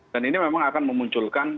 dan ini memang akan memunculkan